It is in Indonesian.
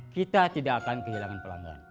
kita tidak akan kehilangan pelanggan